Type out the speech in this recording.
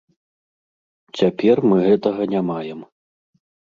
Цяпер мы гэтага не маем.